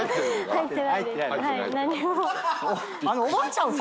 入ってないです何も。